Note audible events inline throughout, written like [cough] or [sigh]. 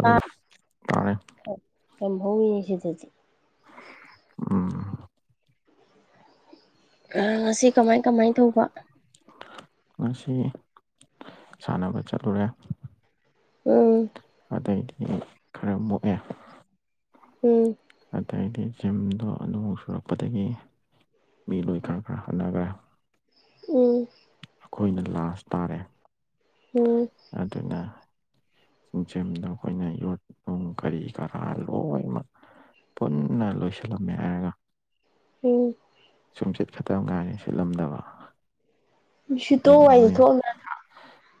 ꯇꯥ ꯇꯥꯔꯦ ꯌꯥꯝ ꯍꯧꯋꯤꯅꯦ ꯁꯤꯗꯗꯤ ꯎꯝ ꯑꯥ ꯉꯁꯤ ꯀꯃꯥꯏ ꯀꯃꯥꯏ ꯇꯧꯕ ꯉꯁꯤ ꯁꯥꯟꯅꯕ ꯆꯠꯂꯨꯔꯦ ꯎꯝ ꯑꯇꯩꯗꯤ ꯈꯔ ꯃꯨꯛꯑꯦ ꯎꯝ ꯑꯩꯗꯤ ꯖꯤꯝꯗꯣ ꯅꯣꯡ ꯆꯨꯔꯛꯄꯗꯒꯤ ꯃꯤ ꯂꯣꯏ ꯈꯔ ꯈꯔ ꯍꯟꯅꯈ꯭ꯔꯦ ꯎꯝ ꯑꯩꯈꯣꯏꯅ ꯂꯥꯁ ꯇꯥꯔꯦ ꯎꯝ ꯑꯗꯨꯅ ꯖꯤꯝꯗꯣ ꯑꯩꯈꯣꯏꯅ ꯌꯣꯠ ꯅꯨꯡ ꯀꯔꯤ ꯀꯔꯥ ꯂꯣꯏꯃꯛ ꯄꯨꯟꯅ ꯂꯣꯏꯁꯤꯜꯂꯝꯃꯦ ꯍꯥꯏꯔꯒ ꯎꯝ ꯁꯨꯝꯆꯤꯠ ꯈꯛꯇꯪ ꯉꯥꯏꯔꯦ ꯁꯤꯠꯂꯝꯗꯕ ꯁꯤꯇꯣꯛꯑ ꯑꯗꯨꯒ ꯋꯥꯏ ꯃꯩ ꯇꯩꯊꯣꯛ ꯑꯝ ꯌꯥꯗ꯭ꯔꯣ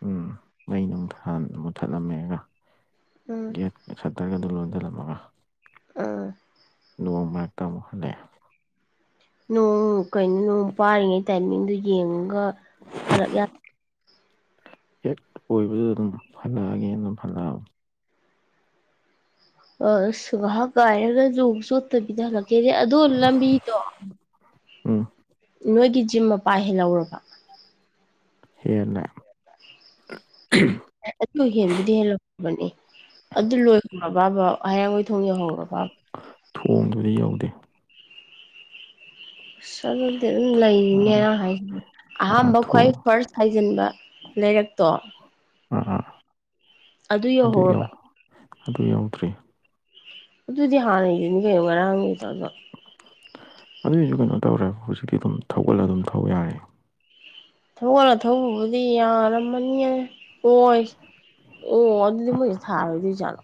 ꯎꯝ ꯃꯩ ꯅꯨꯡ ꯊꯥꯟꯕꯗꯣ ꯃꯨꯠꯊꯠꯂꯝꯃꯦ ꯉꯔꯥ ꯎꯝ ꯒꯦꯠ ꯁꯠꯇꯔꯒ ꯗꯨ ꯂꯣꯟꯁꯜꯂꯝꯃꯒ ꯑꯥ ꯅꯣꯡ ꯃꯔꯛꯇꯥꯃꯨꯛ ꯍꯜꯂꯛꯑꯦ ꯅꯣꯡ ꯀꯩꯅꯣ ꯄꯥꯔꯤꯉꯩ ꯇꯥꯏꯃꯤꯡꯗꯨ ꯌꯦꯡꯉꯥꯒ ꯍꯜꯂꯛ ꯌꯥ ꯍꯦꯛ ꯑꯣꯏꯕꯗꯨ ꯑꯗꯨꯝ ꯍꯟꯂꯛꯑꯒꯦꯅ ꯑꯗꯨꯝ ꯍꯜꯂꯛ ꯑꯕ ꯑꯥꯁ ꯉꯥꯏꯍꯥꯛ ꯉꯥꯏꯔꯒ ꯅꯣꯡ ꯆꯣꯠꯇꯕꯤꯗ ꯖꯦꯖꯦ ꯑꯗꯨꯒ ꯂꯝꯕꯤꯗꯣ ꯎꯝ ꯅꯣꯏꯒꯤ ꯖꯤꯝ ꯃꯄꯥ ꯍꯦꯜꯍꯧꯔꯕ ꯍꯦꯜꯂꯦ ꯑꯪꯝꯎꯝ ꯑꯦ ꯑꯗꯨ ꯍꯦꯟꯕꯨꯗꯤ ꯍꯦꯜꯍꯧꯔꯕꯅꯤ ꯑꯗꯨ ꯂꯣꯏꯈ꯭ꯔꯥ ꯕꯥꯕꯕꯥ ꯍꯩꯔꯥꯡꯒꯣꯢ ꯊꯣꯡ ꯌꯧꯍꯧꯔꯕ꯭ꯔꯥꯕꯥ ꯊꯣꯡꯗꯨꯗꯤ ꯌꯧꯗꯦ ꯑꯥꯁ ꯑꯗꯨꯗꯤ ꯑꯗꯨꯝ ꯂꯩꯔꯤꯅꯦ ꯑꯥ ꯃꯌꯥꯡ ꯍꯥꯏꯁꯤꯅꯦ ꯑꯥ ꯑꯍꯥꯟꯕꯥ ꯈ꯭ꯋꯥꯏ ꯊꯣꯡ ꯐꯥꯔꯠꯁ ꯍꯥꯏꯖꯤꯟꯕ ꯂꯩꯔꯛꯇꯣ [inaudible] ꯑꯥꯗꯨ ꯑꯗꯨ ꯌꯧ ꯌꯧꯍꯧꯔꯕꯥ ꯑꯗꯨ ꯌꯧꯗ꯭ꯔꯤ ꯑꯗꯨꯗꯤ ꯍꯥꯟꯅꯒꯤꯗꯨꯅꯤ ꯀꯩꯅꯣꯉꯔꯥꯡ ꯂꯩꯇꯥꯔꯖꯨ ꯑꯗꯨꯏꯁꯨ ꯀꯩꯅꯣ ꯇꯧꯔꯦ ꯍꯧꯖꯤꯛꯇꯤ ꯑꯗꯨꯝ ꯊꯧꯒꯠꯂꯥ ꯑꯗꯨꯝ ꯊꯧ ꯌꯥꯔꯦ ꯊꯧꯒꯠꯂꯥ ꯊꯧꯕꯕꯨꯗꯤ ꯌꯥꯔꯝꯃꯅꯤꯌꯦ ꯃꯣꯢ ꯑꯣ ꯑꯗꯨꯗꯤ ꯃꯣꯏꯖꯦ ꯊꯥꯔꯥꯔꯣꯏꯗꯣꯢ ꯖꯥꯠꯂꯣ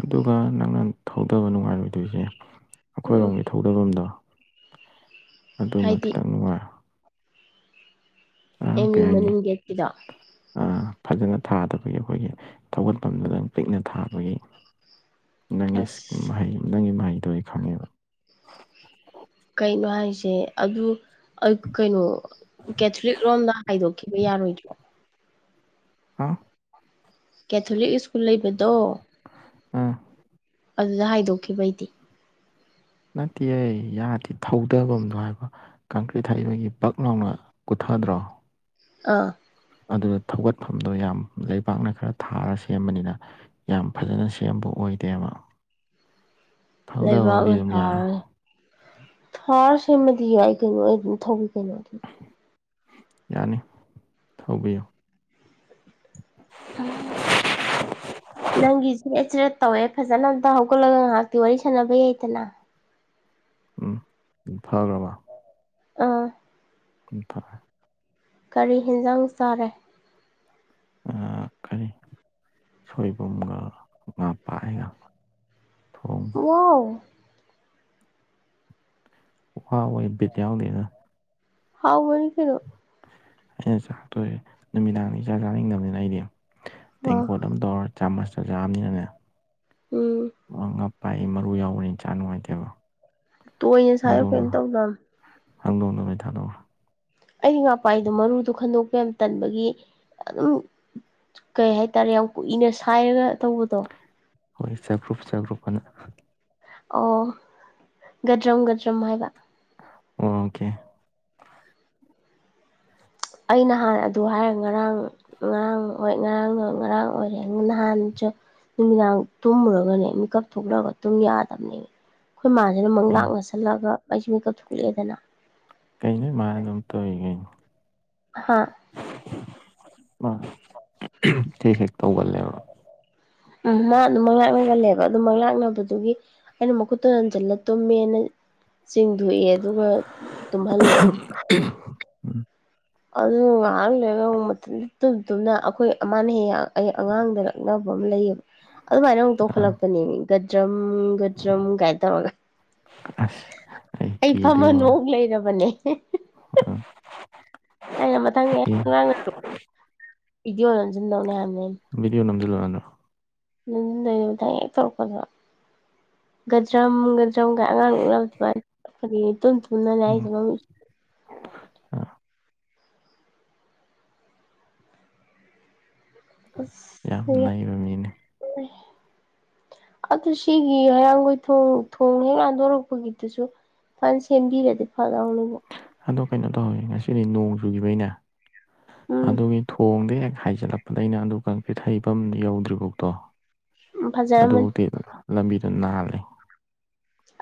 ꯑꯗꯨꯒ ꯅꯪꯅ ꯊꯧꯙꯕ ꯅꯨꯡꯉꯥꯏꯔꯣꯏꯗꯣꯏꯖꯦ ꯎꯝ ꯑꯩꯈꯣꯏꯔꯣꯝꯒꯤ ꯊꯧꯙꯐꯝꯗꯣ ꯑꯗꯨꯃ ꯍꯥꯏꯗꯤ ꯈꯤꯇꯪ ꯅꯨꯡꯉꯥꯏꯑꯣ ꯑꯥꯡ ꯑꯦꯝ ꯀꯩ ꯌꯨ ꯍꯥꯏꯅꯤ ꯃꯅꯤꯡ ꯒꯦꯠꯀꯤꯗꯣ ꯑꯥ ꯐꯖꯅꯥ ꯊꯥꯗꯕꯒꯤ ꯑꯩꯈꯣꯏꯒꯤ ꯊꯧꯒꯠꯐꯝꯗꯨꯗꯪ ꯄꯤꯛꯅ ꯊꯥꯕꯒꯤ ꯑꯁ [inaudible] ꯀꯩꯅꯣ ꯍꯥꯏꯖꯦ ꯑꯗꯨ ꯑꯣ ꯀꯩꯅꯣ ꯀꯦꯊꯂꯤꯛ ꯔꯣꯝꯗ ꯍꯥꯏꯗꯣꯛꯈꯤꯕ ꯌꯥꯔꯣꯏꯗ꯭ꯔꯣ ꯍꯥꯎ ꯀꯦꯊꯂꯤꯛ ꯁ꯭ꯀꯨꯜ ꯂꯩꯕꯗꯣ ꯑꯥ ꯑꯗꯨꯗꯥ ꯍꯥꯏꯗꯣꯛꯈꯤꯕꯩꯗꯤ ꯅꯠꯇꯤꯌꯦ ꯌꯥꯗꯦ ꯊꯧꯙꯐꯝꯗꯣ ꯍꯥꯏꯕꯥ ꯀꯪꯀ꯭ꯔꯤꯠ ꯊꯥꯗꯔꯤꯕꯒꯤ ꯕꯛ ꯂꯥꯎꯅ ꯀꯨꯊ [inaudible] ꯑꯥ ꯑꯗꯨꯅ ꯊꯧꯒꯠꯐꯝꯗꯣ ꯌꯥꯝ ꯂꯩꯕꯥꯛꯅ ꯈꯔꯥ ꯊꯥꯔ ꯁꯦꯝꯕꯅꯤꯅꯥ ꯌꯥꯝ ꯐꯖꯅ ꯁꯦꯝꯕ ꯑꯣꯏ ꯑꯣꯏꯗꯦꯕ ꯊꯧꯗꯕꯕꯨꯗꯤ ꯂꯩꯕꯥꯛꯅ ꯑꯗꯨꯝ ꯌꯥ ꯊꯥꯔꯒꯥ ꯊꯥꯔꯥ ꯁꯦꯝꯃꯗꯤ ꯌꯥꯏ ꯀꯩꯅꯣ ꯑꯩꯁꯨ ꯑꯗꯨꯝ ꯊꯧꯋꯤ ꯀꯩꯅꯣ ꯌꯥꯅꯤ ꯊꯧꯕꯤꯌꯨ ꯑꯥ ꯅꯪꯒꯤ ꯆꯦꯔꯦꯠ ꯆꯦꯔꯦꯠ ꯇꯧꯋꯦ ꯐꯖꯅꯥ ꯑꯝꯇ ꯍꯧꯒꯠꯂꯒ ꯉꯥꯏꯍꯥꯛꯇꯤ ꯋꯥꯔꯤ ꯁꯥꯟꯅꯕ ꯌꯥꯏꯗꯅꯥ ꯎꯝ ꯐꯒ꯭ꯔꯥꯕꯣ ꯑꯥ ꯇꯨꯝꯊꯈꯔ꯭ꯦ ꯀꯔꯤ ꯍꯦꯟꯖꯥꯡ ꯆꯥꯔꯦ ꯑꯥ ꯀꯔꯤ ꯁꯣꯏꯕꯨꯝꯒ ꯉꯥ ꯄꯥꯏꯒ ꯊꯣꯡꯕ ꯋꯥꯎ ꯋꯥ ꯋꯥꯏꯎ ꯕꯤꯠ ꯌꯥꯎꯗꯦꯗ ꯍꯥꯎꯕꯅꯤ ꯀꯩꯅꯣ ꯑꯩꯅ ꯆꯥꯛꯇꯣꯛ ꯑꯦ ꯅꯨꯃꯤꯗꯥꯡꯅꯤ ꯆꯥꯛ ꯆꯥꯅꯤꯡꯗꯕꯅꯤꯅ ꯑꯩꯗꯤ ꯑꯥ ꯇꯦꯡꯀꯣꯠ ꯑꯃ ꯇꯧꯔ ꯆꯥꯃꯁ ꯇ ꯆꯥꯕꯅꯤꯅꯅꯦ ꯎꯝ ꯑ ꯉꯥ ꯄꯥꯛꯏ ꯃꯔꯨ ꯌꯥꯎꯕꯅꯤ ꯆꯥ ꯅꯨꯡꯉꯥꯏꯇꯦꯕ ꯇꯨꯅꯣꯏ ꯁꯥꯏꯌꯣ ꯀꯩꯝ ꯍꯥꯡꯗꯣꯛꯅꯔꯣ ꯇꯧꯗꯕꯅꯤ [unintelligible] ꯑꯩꯗꯤ ꯉꯥꯄꯥꯏꯗꯣ ꯃꯔꯨꯗꯣ ꯈꯟꯗꯣꯛꯄ ꯌꯥꯝ ꯇꯟꯕꯒꯤ ꯑꯗꯨꯝ ꯀꯩ ꯍꯥꯏꯇꯥꯔꯦ ꯌꯥꯝ ꯀꯨꯏꯅ ꯁꯥꯏꯔꯒ ꯇꯧꯕꯗꯣ ꯍꯣꯏ ꯆꯦꯐ ꯭ꯔꯨꯨꯞ ꯆꯦꯐ ꯭ꯔꯨꯞ ꯑꯟꯥ ꯑꯣ ꯒꯗ꯭ꯔꯨꯝ ꯒꯗ꯭ꯔꯝ ꯍꯥꯏꯕ ꯑꯥ ꯑꯝ ꯀꯦ ꯑꯩ ꯅꯍꯥꯟ ꯑꯗꯨ ꯍꯥꯏꯔꯦ ꯉꯔꯥꯡ ꯉꯔꯥꯡ ꯑꯣꯏ ꯉꯔꯥꯡ ꯉꯔꯥꯡ ꯑꯣꯏꯔꯦ ꯅꯍꯥꯟ ꯅꯨꯃꯤꯗꯥꯡ ꯇꯨꯝꯃꯨꯔꯒꯅꯦ ꯃꯤꯀꯞ ꯊꯣꯛꯂꯛꯑꯒ ꯑꯗꯨꯨꯝ ꯌꯥꯗꯕꯅꯦꯝꯤ ꯑꯩꯈꯣꯏ ꯃꯥꯁꯤꯅ ꯗ ꯃꯪ ꯎꯝ ꯂꯥꯛꯅꯁꯜꯂꯛꯑꯒ ꯑꯩꯩꯁꯤ ꯃꯤ ꯀꯛꯊꯣꯛꯂꯛꯑꯦꯗꯅ ꯀꯩꯅꯣ ꯅꯣꯏ ꯃꯥꯅ ꯑꯗꯨꯝ ꯇꯧꯔꯤ ꯀꯩꯅꯣ ꯍꯥꯥ ꯑꯥ ꯑꯍꯝ ꯍꯦꯛ ꯍꯦꯛ ꯇꯧꯒꯜꯂꯦꯕꯣ ꯎꯝ ꯃꯥ ꯑꯗꯨꯝ ꯃꯪ ꯂꯥꯛꯅꯒꯜꯂꯦꯕ ꯑꯗꯨꯝ ꯃꯥꯛꯅꯕ ꯗꯨꯒꯤ ꯑꯩꯅ ꯃꯈꯨꯠꯇꯟꯁꯤꯜꯂ ꯇꯣꯃꯦꯅ ꯆꯤꯡꯊꯣꯛꯑꯦ ꯑꯗꯨꯒ ꯇꯨꯝꯍꯜꯂꯦ ꯎꯝ ꯑꯗꯨ ꯉꯥꯏꯍꯥꯛ ꯂꯩꯔꯒ ꯃꯊꯟꯇ ꯇꯨꯝ ꯇꯨꯝꯅ ꯑꯩꯈꯣꯏ ꯃꯥꯅ ꯍꯦꯛ ꯍꯦꯛ ꯑꯩ ꯑꯉꯥꯡꯗ ꯂꯛꯅꯕ ꯂꯩꯕ ꯑꯗꯨꯃꯥꯏꯅ ꯑꯃꯨꯛ ꯑꯥ ꯇꯧꯈꯠꯂꯛꯄꯅꯦꯝꯤ ꯒꯗ꯭ꯔꯝ ꯒꯗ꯭ꯔꯝ ꯀꯥꯏꯅ ꯇꯧꯔꯒ ꯑꯁ ꯑꯩ ꯐꯝꯃ ꯅꯣꯛ ꯂꯩꯔꯕꯅꯦ ꯎꯝ ꯑꯩꯅ ꯃꯊꯪꯒ ꯍꯦꯛ ꯑꯉꯥꯡ ꯚꯤꯗꯤꯑꯣ ꯅꯝꯁꯤꯟꯗꯧꯅꯦ ꯍꯥꯏꯝꯅꯦ [unintelligible] [unintelligible] ꯒꯗ꯬ꯔꯝ ꯒꯗꯔꯝ ꯀꯥꯏꯅ ꯑꯉꯥꯡ ꯂꯛꯅꯕꯗꯨ ꯎꯝ ꯑꯗꯨꯃꯥꯏꯅ [unintelligible] ꯌꯥꯝ ꯑꯁ ꯅꯩꯕ ꯃꯤꯅꯤ ꯑꯗꯨ ꯁꯤꯒꯤ ꯍꯩꯔꯥꯡꯒꯣꯏ ꯊꯣꯡ ꯊꯣꯡ ꯍꯦꯛ ꯂꯟꯗꯣꯔꯛꯄꯒꯤꯗꯨꯁꯨ ꯐꯖꯅ ꯁꯦꯝꯕꯤꯔꯗꯤ ꯐꯗꯎꯅꯦꯕꯨ ꯑꯗꯣ ꯀꯩꯅꯣ ꯇꯧꯋꯏꯦ ꯉꯁꯤꯗꯤ ꯅꯣꯡ ꯆꯨꯈꯤꯕꯩꯅꯦ ꯎꯝ ꯑꯗꯨꯒꯤ ꯊꯣꯡꯗꯩ ꯍꯦꯛ ꯍꯥꯏꯖꯤꯜꯂꯛꯄꯗꯒꯤ ꯗꯩꯅ ꯑꯗꯨ ꯏꯊꯩꯐꯝ ꯌꯧꯗ꯭ꯔꯤꯐꯥꯎꯗꯣ ꯐꯖꯔꯝꯃꯅꯤ ꯑꯗꯨꯕꯨꯛꯗꯤ ꯂꯝꯕꯤꯗ ꯅꯥꯜꯂꯩ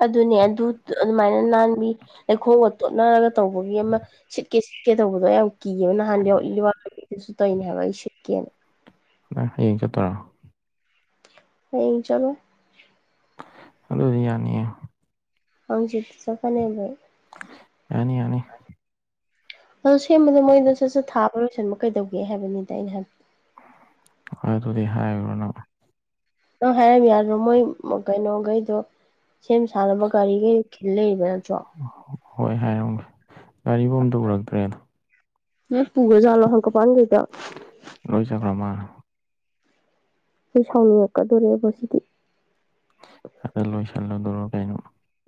ꯑꯗꯨꯅꯦ ꯑꯗꯨ ꯑꯗꯨꯃꯥꯏꯅ ꯅꯥꯟꯕꯤ ꯂꯩꯈꯣꯜꯒ ꯇꯣꯠꯅꯔꯒ ꯇꯧꯕꯒꯤ ꯑꯃ ꯁꯤꯠꯀꯦ ꯁꯤꯠꯀꯦ ꯇꯧꯕꯗꯣ ꯌꯥꯝ ꯀꯤꯌꯦꯕ ꯅꯍꯥꯜ ꯇꯩꯏꯅꯦ ꯍꯥꯏꯕ ꯑꯩ ꯁꯤꯠꯀꯦꯅ ꯅꯪ ꯍꯌꯦꯡ ꯆꯠꯇꯣꯏꯔꯣ ꯍꯌꯦꯡ ꯆꯠꯂꯣꯏ ꯑꯗꯨꯗꯤ ꯌꯥꯅꯤꯌꯦ ꯍꯪꯆꯤꯠ ꯆꯠꯀꯅꯦꯕ ꯑꯩ ꯌꯥꯅꯤ ꯌꯥꯅꯤ ꯑꯗꯣ ꯁꯦꯝꯕꯗꯣ ꯃꯣꯏꯅ ꯁꯠ ꯁꯠ ꯊꯥꯕ ꯂꯣꯏꯁꯟꯕ ꯀꯩꯗꯧꯒꯦ ꯍꯥꯏꯕꯅꯤꯗ ꯑꯩꯅ ꯍꯥꯏꯕꯗꯤ ꯍꯣꯏ ꯑꯗꯨꯗꯤ ꯍꯥꯏꯔꯨꯔꯅꯨ ꯅꯪ ꯍꯥꯏꯔꯝ ꯌꯥꯗ꯭ꯔꯣ ꯃꯣꯏ ꯀꯩꯅꯣꯒꯩꯗꯣ ꯁꯦꯝ ꯁꯥꯅꯕ ꯒꯔꯤꯒꯩ ꯈꯤꯜꯂꯩꯗꯅ ꯍꯣꯏ ꯍꯥꯏꯔꯝꯒꯦ ꯒꯥꯔꯤꯕꯨ ꯑꯃꯇ ꯎꯔꯛꯇ꯭ꯔꯦꯗ ꯂꯣꯏ ꯄꯨꯒ꯭ꯔꯖꯥꯠꯂꯣ ꯍꯪꯒꯄꯥꯜ ꯀꯩꯀꯥ ꯂꯣꯏ ꯆꯠꯈ꯭ꯔꯃꯥꯜꯂꯦ ꯑꯩ ꯁꯥꯎꯅꯤꯡꯉꯛꯀꯗꯧꯔꯦꯕꯣ ꯁꯤꯗꯤ ꯑꯗꯣ ꯂꯣꯏꯁꯟꯂꯨꯗꯨꯔꯣ ꯀꯩꯅꯣ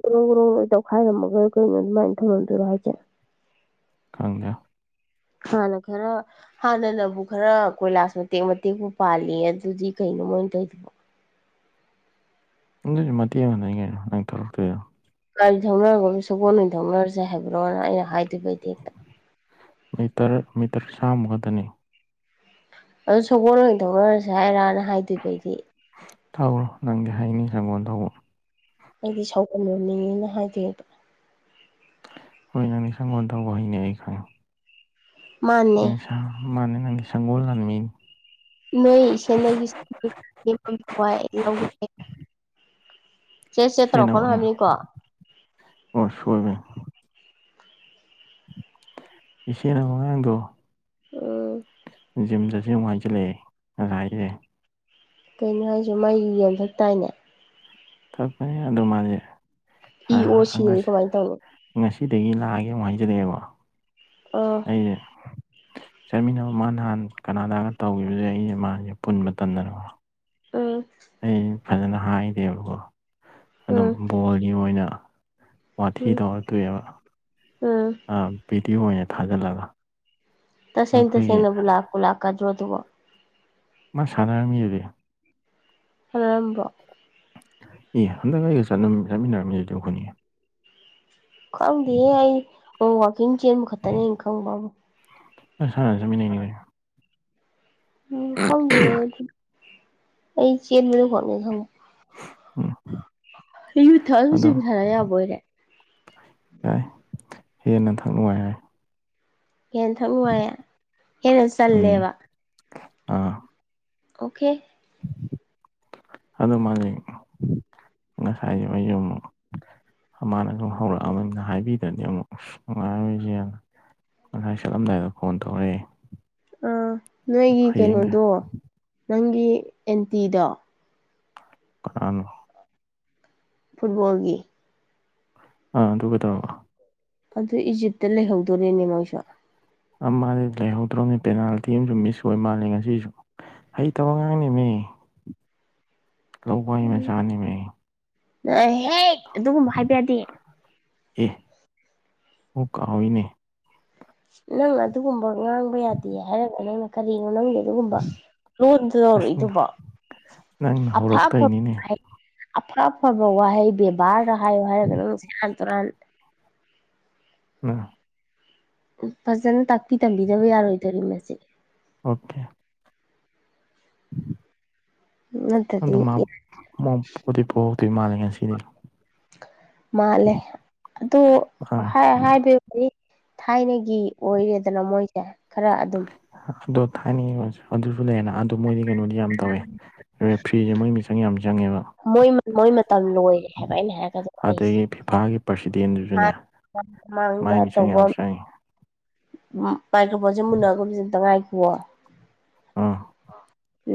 ꯒꯣꯔꯣꯡ ꯒꯣꯔꯣꯡ ꯂꯣꯏ ꯇꯧꯈꯥꯏꯔꯝꯃꯒ ꯑꯩꯈꯣꯏ ꯑꯗꯨꯃꯥꯏ ꯊꯅꯝꯗꯣꯏꯔꯣ ꯍꯥꯏꯖꯦ [unintelligible] ꯍꯥꯟꯅ ꯈꯔ ꯍꯥꯟꯅꯅꯕꯨ ꯈꯔ ꯀꯣꯏꯂꯥꯁ ꯃꯇꯦꯛ ꯃꯇꯦꯛꯄꯨ ꯄꯥꯜꯂꯤ ꯑꯗꯨꯗꯤ ꯀꯩꯅꯣ ꯃꯣꯏꯅ ꯇꯧꯏꯗꯨꯕꯣ ꯑꯗꯨꯑꯣꯏꯁꯨ ꯃꯇꯦꯡ ꯑꯃꯈꯛꯇꯅꯤ ꯀꯩꯅꯣ ꯅꯪ ꯊꯣꯔꯛꯇꯨꯏꯗꯣ ꯒꯥꯔꯤ ꯊꯧꯅꯔꯒꯨꯝꯁꯤ ꯁꯒꯣꯜ ꯑꯣꯏꯅ ꯊꯧꯅꯔꯁꯦ ꯍꯥꯏꯕ꯭ꯔꯣꯅ ꯑꯩꯅ ꯍꯥꯏꯗꯨꯏꯕ ꯑꯩꯗꯤ ꯃꯤꯇꯔ ꯃꯤꯇꯔ ꯆꯥꯝꯃꯨꯛ ꯈꯛꯇꯅꯤ ꯑꯗꯨ ꯁꯒꯣꯜ ꯑꯣꯏꯅ ꯊꯧꯅꯔꯁꯦ ꯍꯥꯏꯔꯅ ꯍꯥꯏꯗꯨꯏꯕ ꯑꯩꯗꯤ ꯊꯧꯔꯣ ꯅꯪꯗꯤ ꯍꯩꯅꯤ ꯁꯒꯣꯜ ꯊꯧꯕ ꯑꯩꯗꯤ ꯁꯥꯎꯒꯟꯕ ꯃꯤꯅꯤꯅ ꯍꯥꯏꯗꯨꯏꯕ ꯍꯣꯏ ꯅꯪꯗꯤ ꯁꯒꯣꯜ ꯊꯧꯕ ꯍꯩꯅꯤ ꯑꯩ ꯈꯪꯏ ꯃꯥꯅꯦ [unintelligible] ꯃꯥꯅꯤ ꯅꯪꯗꯤ ꯁꯪꯒꯣꯜ ꯂꯥꯟꯃꯤꯅꯤ ꯅꯣꯏ ꯏꯁꯦꯟꯗꯒꯤ ꯍꯋꯥꯏ ꯂꯧꯒꯦ ꯆꯦꯠ ꯆꯦꯠ ꯁꯦꯟꯅꯕ ꯇꯧꯔꯛꯀꯅꯣ ꯍꯥꯏꯕꯅꯤꯀꯣ ꯁꯣꯏꯕꯅꯦ ꯏꯆꯦꯅ ꯃꯉꯥꯡꯗꯣ ꯑ ꯖꯤꯝ ꯆꯇꯁꯤ ꯑꯃꯨꯛ ꯍꯥꯏꯖꯤꯜꯂꯛꯑꯦ ꯉꯁꯥꯏꯖꯦ ꯀꯩꯅꯣ ꯍꯥꯏꯖꯦ ꯃꯩ ꯌꯨ ꯌꯥꯝ ꯊꯛ ꯇꯥꯏꯅꯦ ꯊꯛꯄꯅꯦ ꯑꯗꯨꯝ ꯃꯥꯗꯤ ꯏ ꯑꯣ ꯁꯤꯗꯤ ꯀꯃꯥꯏꯅ ꯇꯧꯅꯤ [unintelligible] ꯉꯁꯤ ꯁꯤꯗꯒꯤ ꯂꯥꯛꯑꯒꯦ ꯑꯃꯨꯛ ꯍꯥꯏꯖꯟꯂꯛꯑꯦ ꯑꯃꯨꯛ ꯑꯥ ꯑꯩꯖꯦ ꯆꯠꯃꯤꯟꯅꯕ ꯃꯥ ꯅꯍꯥꯟ ꯀꯅꯥꯗꯥꯒ ꯇꯧꯒꯤꯕꯗꯒꯤ ꯑꯩꯅ ꯃꯥꯖꯦ ꯄꯨꯟꯕ ꯇꯗꯅꯀꯣ ꯎꯝ ꯑꯩꯅꯅꯤ ꯐꯖꯅ ꯍꯥꯏꯗꯦꯕꯀꯣ ꯑꯗꯨꯝ ꯎꯝ ꯕꯣꯜꯒꯤ ꯑꯣꯏꯅ ꯋꯥꯊꯤ ꯎꯝ ꯇꯧꯔꯒ ꯇꯣꯛꯑꯦꯕ ꯎꯝ ꯑ ꯚꯤꯗꯤꯑꯣ ꯑꯣꯏꯅ ꯊꯥꯖꯜꯂꯒ ꯇꯁꯦꯡ ꯇꯁꯦꯡꯅꯕꯨ ꯂꯥꯛꯄꯨ ꯂꯥꯛꯀꯗꯔꯣ ꯑꯗꯨꯕꯣ ꯃꯥ ꯁꯥꯟꯅꯔꯝꯃꯤꯗꯨꯗꯤ ꯁꯥꯟꯅꯔꯝꯕ꯭ꯔꯣ ꯑꯦ ꯍꯟꯗꯛ ꯑꯩꯒ ꯆꯠꯂꯝ ꯆꯠꯃꯤꯟꯅꯔꯝꯃꯤꯗꯨꯗꯤ ꯏꯈꯣꯏꯅꯤ ꯈꯪꯗꯦꯍꯦ ꯑꯩ ꯑꯣ ꯋꯥꯀꯤꯡ ꯆꯦꯟꯕ ꯈꯛꯇꯅꯤ ꯑꯩꯅ ꯈꯪꯕꯕꯨ ꯁꯥꯟꯅ ꯆꯠꯃꯤꯟꯅꯩꯅꯤ ꯀꯩꯅꯣ ꯎꯝ ꯈꯪꯗꯦ ꯑꯗꯨꯗꯤ ꯑꯩ ꯆꯦꯟꯕꯗꯨ ꯈꯛꯅꯤ ꯈꯪꯕ ꯎꯝ ꯌꯨ ꯊꯛꯑꯖꯨ ꯑꯗꯣ ꯖꯤꯝ ꯁꯥꯟꯅ ꯌꯥꯕꯣꯏꯔꯦ ꯌꯥꯏ ꯍꯦꯟꯅ ꯊꯛ ꯅꯨꯡꯉꯥꯏ ꯍꯥꯏ ꯍꯦꯟꯅ ꯊꯛ ꯅꯨꯡꯉꯥꯏꯌꯦ ꯍꯦꯟꯅ ꯎꯝ ꯆꯜꯂꯦꯕ ꯑꯥ ꯑꯣꯀꯦ ꯑꯗꯨ ꯃꯥꯜꯂꯤ ꯉꯁꯥꯏꯒꯤ ꯃꯌꯨꯝ [unintelligible] ꯃꯅ ꯑꯗꯨꯝ ꯍꯧꯔꯛꯑꯕꯅꯤꯅ ꯍꯥꯏꯕꯤꯗꯗꯤ ꯑꯃꯨꯛ ꯅꯨꯡꯉꯥꯏꯔꯔꯣꯏꯗꯥꯅ ꯉꯥꯁꯥꯏ ꯆꯠꯂꯝꯗꯥꯏꯗ ꯐꯣꯟ ꯇꯧꯔꯦ ꯑꯥ ꯅꯣꯏꯒꯤ ꯀꯩꯅꯣꯗꯣ ꯅꯪꯒꯤ ꯑꯦꯟꯇꯤꯗꯣ ꯀꯅꯥꯅꯣ ꯐꯨꯠꯕꯣꯜꯒꯤ ꯑꯥ ꯑꯗꯨ ꯀꯩꯗꯧꯔꯕ ꯑꯗꯨ ꯏꯖꯤꯞꯇ ꯂꯩꯍꯧꯗꯣꯔꯦꯅꯦ ꯃꯣꯏꯁꯨ ꯑ ꯃꯥꯅꯤ ꯂꯩꯍꯧꯗ꯭ꯔꯧꯕꯅꯤ ꯄꯦꯅꯥꯜꯇꯤ ꯑꯃꯁꯨ ꯃꯤꯁ ꯑꯣꯏ ꯃꯥꯜꯂꯦ ꯉꯁꯤꯁꯨ ꯍꯩ ꯇꯕ ꯉꯥꯡꯅꯦꯃꯤ [unintelligible] ꯂꯧꯋꯥꯏ ꯃꯆꯥꯅꯦ ꯃꯤ ꯌꯔꯦ ꯍꯦ ꯑꯗꯨꯒꯨꯝꯕ ꯍꯥꯏꯕ ꯌꯥꯗꯦ ꯑꯦ ꯍꯣ ꯀꯥꯎꯏꯅꯦ ꯅꯪ ꯑꯗꯨꯒꯨꯝꯕ ꯉꯥꯡꯕ ꯌꯥꯗꯦ ꯍꯥꯏꯔꯒ ꯅꯪꯅ ꯀꯔꯤ ꯅꯪꯒꯤ ꯑꯗꯨꯒꯨꯝꯕ ꯂꯣꯟꯗꯨ ꯑꯁ ꯇꯧꯔꯛꯏꯗꯨꯕꯣ [unintelligible] ꯅꯪꯅ ꯑꯐ ꯍꯧꯔꯛꯄꯩ ꯅꯤꯅꯦ ꯑꯐꯕ ꯑꯐ ꯑꯐꯕ ꯋꯥꯍꯩ ꯕꯦꯕꯥꯔꯗ ꯍꯥꯏꯌꯨ ꯍꯥꯏꯔꯒ ꯅꯪꯅ ꯁꯦꯔꯥꯟ ꯇꯨꯔꯥꯟ ꯑ [unintelligible] ꯎꯝ ꯐꯖꯅ ꯇꯥꯛꯄꯤ ꯇꯝꯕꯤꯗꯕ ꯌꯥꯔꯣꯏꯗꯣꯔꯤ ꯃꯁꯦ ꯑꯣꯀꯦ ꯅꯠꯇ꯭ꯔꯗꯤ ꯑꯗꯨ ꯃꯥ ꯃꯥ ꯄꯣꯗꯤ ꯄꯣꯍꯧꯗꯣꯏ ꯃꯥꯂꯦ ꯉꯁꯤꯗꯤ ꯃꯥꯜꯂꯦ ꯑꯗꯨ ꯑꯥ ꯍꯥꯏ ꯍꯥꯏꯗꯤ ꯊꯥꯏꯅꯒꯤ ꯑꯣꯏꯔꯦꯗꯅ ꯃꯣꯏꯁꯦ ꯈꯔ ꯑꯗꯨꯝ ꯗꯣ ꯊꯥꯏꯅꯤ ꯑꯗꯨꯁꯨꯂꯩꯅ [unintelligible] ꯑꯗꯨ ꯃꯣꯏꯗꯤ ꯀꯩꯅꯣꯗꯤ ꯌꯥꯝ ꯇꯧꯋꯦ ꯔꯦꯐ꯭ꯔꯤꯁꯨ ꯃꯣꯏ ꯃꯤꯆꯪ ꯌꯥꯝ ꯆꯪꯉꯦꯕ ꯃꯣꯏ ꯃꯣꯏ ꯃꯇꯝ ꯂꯣꯏꯔꯦ ꯍꯥꯏꯕ ꯑꯩꯅ ꯍꯥꯏꯔꯛꯀꯗꯕ ꯑꯩꯁꯦ ꯑꯗꯒꯤ ꯐꯤꯐꯥꯒꯤ ꯄ꯭ꯔꯁꯤꯗꯦꯟꯗꯨꯁꯨꯅꯦ ꯍꯥꯟꯅ ꯃꯥꯏ ꯃꯤꯆꯪ ꯌꯥꯝ ꯆꯪꯉꯦ ꯃꯥꯏꯀ꯭ꯔꯣ ꯐꯣꯟꯁꯦ ꯃꯨꯟꯅꯒꯨꯝꯁꯦ ꯑꯝꯇ ꯉꯥꯏꯈꯨꯑꯣ ꯑ [unintelligible]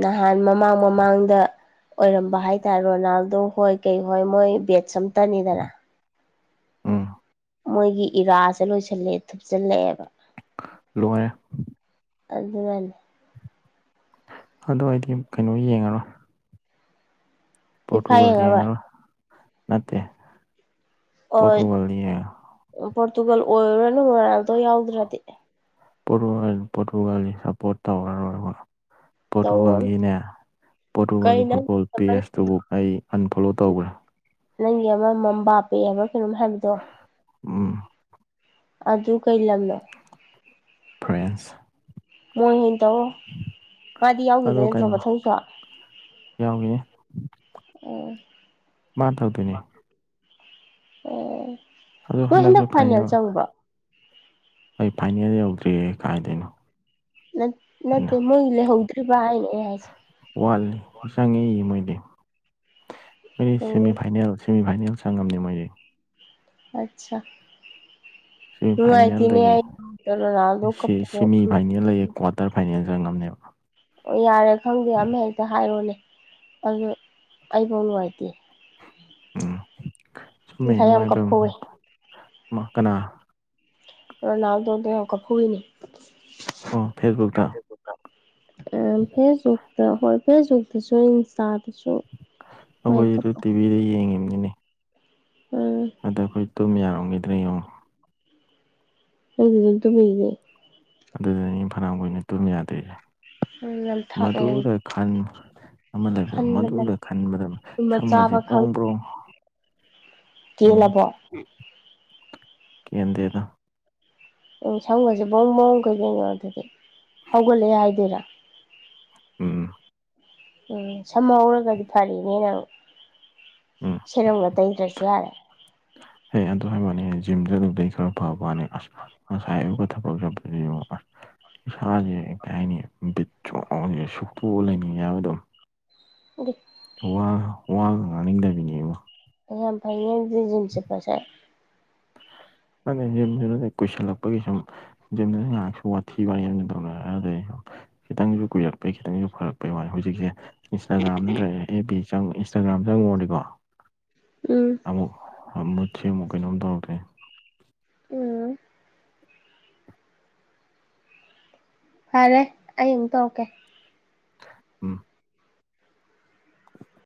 ꯅꯍꯥꯟ ꯃꯃꯥꯡ ꯃꯃꯥꯡꯗ ꯑꯣꯏꯔꯝꯕ ꯍꯥꯏꯇꯥꯔꯦ ꯔꯣꯅꯥꯜꯗꯣ ꯍꯣꯏ ꯀꯩ ꯍꯣꯏ ꯃꯣꯏ ꯕꯦꯠꯁ ꯑꯝꯇꯅꯤꯗꯅ ꯎꯝ [unintelligible] ꯃꯣꯏꯒꯤ ꯏꯔꯥꯥꯁꯦ ꯂꯣꯏꯁꯤꯜꯂꯦ ꯊꯨꯞꯆꯜꯂꯛꯑꯦꯕ ꯂꯣꯏꯔꯦ ꯇꯜꯂꯤ ꯌꯥꯝꯅ ꯑꯗꯨ ꯑꯩꯗꯤ ꯀꯩꯅꯣ ꯌꯦꯡꯉꯔꯣꯏ ꯄꯣꯔꯇꯨꯒꯜ ꯌꯦꯡꯉꯔꯣꯏ ꯅꯠꯇꯦ ꯑꯣ ꯄꯣꯔꯇꯨꯒꯜꯗꯤ ꯌꯥꯏ ꯄꯣꯔꯇꯨꯒꯜ ꯑꯣꯏꯔꯨꯔꯅꯨ ꯔꯣꯅꯥꯜꯗꯣ ꯌꯥꯎꯗ꯭ꯔꯗꯤ ꯄꯣꯇꯨ ꯄꯣꯔꯇꯨꯒꯥꯜ ꯁꯞꯄꯣꯔꯠ ꯇꯧꯔꯔꯣꯏꯕ ꯇꯧꯔꯨꯔꯅꯨ ꯄꯣꯔꯇꯨꯒꯥꯜꯒꯤꯅꯦ [unintelligible] ꯄꯣꯔꯇꯨꯒꯥꯜꯒꯤ ꯀꯩ ꯅꯪ ꯐꯨꯠꯕꯣꯜ ꯄꯦꯖꯇꯨꯕꯧ ꯑꯩ ꯑꯟꯐꯣꯂꯣ ꯇꯧꯈ꯭ꯔꯦ ꯅꯪꯒꯤ ꯑꯃ ꯃꯝꯕꯥꯄꯦ ꯍꯥꯏꯕ ꯀꯩꯅꯣꯝ ꯍꯥꯏꯕꯗꯣ ꯎꯝ ꯑꯗꯨ ꯀꯩ ꯂꯝꯅꯣ ꯐ꯭ꯔꯦꯟꯁ ꯃꯣꯏꯅꯤ ꯇꯪꯅꯦ ꯌꯧꯗꯤ ꯌꯥꯎꯈꯤꯗꯣꯏ ꯑꯗꯣ ꯅꯠꯇ꯭ꯔꯣ ꯀꯩꯅꯣ ꯃꯊꯪꯁꯨ ꯌꯥꯎꯈꯤꯅꯤ ꯎꯝ ꯃꯥꯅ ꯇꯧꯗꯣꯏꯅꯦ ꯑꯥ ꯑꯗꯣ ꯅꯣ ꯍꯟꯗꯛꯁꯨ ꯍꯟꯗꯛ ꯐꯥꯏꯅꯦꯜ ꯆꯪꯕꯔꯣ ꯑꯩ ꯐꯥꯏꯅꯦꯜ ꯌꯧꯗ꯭ꯔꯤꯌꯦ ꯀꯥꯏꯗꯩꯏꯅꯣ ꯅꯠ ꯅꯠꯇꯦ ꯃꯣꯏ ꯂꯩ ꯍꯧꯗꯔꯤꯕ ꯍꯏꯅꯦ ꯑꯩꯅ ꯍꯏꯁꯦ ꯃꯤꯗꯤ ꯑꯣ ꯁꯤꯃꯤꯐꯥꯏꯅꯦꯜ ꯁꯤꯃꯤꯐꯥꯏꯅꯦꯜ ꯆꯪꯝꯅꯤ ꯃꯣꯏꯗꯤ ꯑꯆꯥ ꯁꯤꯃꯤꯐꯥꯏꯅꯦꯜꯗꯒꯤ ꯔꯣꯅꯥꯜꯗꯣ ꯁꯦꯃꯤ ꯀꯞꯄꯗꯣ ꯐꯥꯏꯅꯦꯜ ꯑꯌꯦ ꯀ꯭ꯋꯥꯔꯇꯔ ꯐꯥꯏꯅꯦꯜ ꯉꯝꯅꯦꯕ ꯑꯣ ꯌꯥꯔꯦ ꯈꯪꯗꯦ ꯑꯃ ꯍꯦꯛꯇ ꯍꯥꯏꯔꯣꯅꯦ ꯑꯗꯨ ꯑꯩꯐꯧ ꯅꯨꯡꯉꯥꯏꯇꯦ ꯆꯨꯝꯃꯦ ꯉꯁꯥꯏ ꯌꯥꯝ ꯅꯨꯡꯉꯥꯏꯐꯝ ꯀꯞꯐꯧꯋꯦ ꯃ ꯀꯅꯥ ꯔꯣꯅꯜꯗꯣꯗꯣ ꯌꯝ ꯀꯞꯐꯧꯋꯤꯅꯦ ꯑꯣ ꯐꯦꯁꯕꯨꯛꯇ ꯑꯥ ꯐꯦꯁꯕꯨꯛꯇ ꯍꯣꯏ ꯐꯦꯁꯕꯨꯛꯇꯁꯨ ꯏꯟꯁꯇꯥ ꯑꯩꯈꯣꯏꯗꯤ ꯑꯗꯨ ꯇꯤꯚꯤꯗ ꯌꯦꯡꯉꯤꯝꯅꯤꯅꯦ ꯎꯝ ꯑꯗ ꯑꯩꯈꯣꯏ ꯇꯨꯝ ꯌꯥꯔꯝꯈꯤꯗ꯭ꯔ ꯌꯦꯉꯣ ꯅꯪꯗꯤ ꯑꯗꯨꯝ ꯇꯨꯝꯃꯤꯗꯨꯗꯤ ꯑꯗꯨꯗꯅꯤ ꯐꯅꯤꯌꯥꯝ ꯀꯨꯏꯅ ꯇꯨꯝ ꯌꯥꯗꯤꯁꯦ ꯎꯝ ꯌꯥꯝ ꯊꯥꯛꯑꯦ ꯃꯗꯨꯗ ꯈꯟ ꯑꯃ ꯂꯩꯕ ꯈꯟꯕꯗ ꯃꯗꯨꯗ ꯈꯟꯕꯗ ꯇꯨꯝꯕ ꯁꯝꯒꯁꯦ ꯆꯥꯕ ꯄ꯭ꯔꯣꯡ ꯄ꯭ꯔꯣꯡ ꯎꯝ ꯇꯦꯜꯂꯕꯣ ꯀꯦꯟꯗꯦꯗ ꯎꯝ ꯁꯝ ꯒꯁꯦ ꯕꯣꯡ ꯕꯣꯡ ꯀꯩꯗꯧꯅꯣ ꯑꯗꯨꯗꯤ ꯍꯧꯒꯠꯂꯛꯑꯦ ꯍꯥꯏꯗꯣꯏꯔꯥ ꯎꯝ ꯎꯝ ꯁꯝꯍꯧꯔꯒꯗꯤ ꯐꯔꯦꯅꯦ ꯅꯪ ꯎꯝ ꯁꯦꯔꯒ ꯇꯩꯗ꯭ꯔꯁꯨ ꯌꯥꯔꯦ ꯍꯦ ꯑꯗꯨ ꯍꯥꯏꯕꯋꯅꯦ ꯖꯤꯝ ꯆꯠꯂꯨꯕꯗꯩ ꯈꯔ ꯐꯕꯋꯅꯤ ꯑꯁ ꯉꯁꯥꯏ ꯑꯌꯨꯛꯀ ꯊꯕꯛ ꯆꯠꯄꯗꯣ ꯌꯦꯡꯉꯣ ꯑꯁ ꯏꯁꯥꯁꯦ ꯀꯩ ꯍꯥꯏꯅꯤ ꯕꯤꯠ ꯁꯨꯡꯌꯎ ꯌꯎꯗꯦ ꯁꯨꯛꯇꯣꯛꯑ ꯂꯩꯅꯤꯡꯉꯦꯕ ꯑꯗꯨꯝ ꯋꯥ ꯋꯥꯒ ꯉꯡꯅꯤꯡꯗꯕꯤꯅꯦꯕꯣ ꯌꯥꯝꯐꯩꯅꯦ ꯑꯗꯨꯗꯤ ꯖꯤꯝ ꯆꯠꯄꯁꯦ ꯈꯪꯗꯦ ꯖꯤꯝꯁꯨꯇꯦ ꯀꯨꯏꯁꯤꯜꯂꯛꯄꯒꯤ ꯁꯨꯝ ꯖꯤꯝꯗꯁꯨ ꯉꯥꯏꯍꯛꯁꯨ ꯋꯥꯊꯤ ꯋꯥꯔꯦꯝ ꯇꯧꯅꯔꯩ ꯈꯤꯇꯪꯁꯨ ꯀꯨꯏꯔꯛꯄꯩ ꯈꯤꯇꯪꯁꯨ ꯐꯔꯛꯄꯩ ꯋꯅꯤ ꯍꯧꯖꯤꯛꯁꯦ ꯏꯟꯁꯇꯥꯒ꯭ꯔꯥꯝ ꯅꯠꯇ꯭ꯔꯒ ꯑꯦꯞ ꯕꯤ ꯏꯟꯁꯇꯥꯒ꯭ꯔꯥꯝ ꯆꯪꯉꯨꯔꯗꯤꯀꯣ ꯎꯝ ꯑꯃꯨꯛ ꯃꯨꯠꯁꯦ ꯑꯃꯨꯛ ꯀꯩꯅꯣꯝ ꯇꯧ꯭ꯔꯛꯇꯣꯏꯅꯤ ꯎꯝ ꯐꯔꯦ ꯑꯩꯃꯨꯛ ꯇꯧꯔꯛꯀꯦ ꯎꯝ [inaudible]